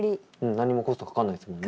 何にもコストかからないですもんね。